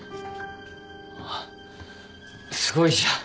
ああすごいじゃん。